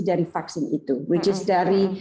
dari vaksin itu yang mana dari